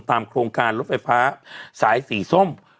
โครงการรถไฟฟ้าสายสีส้ม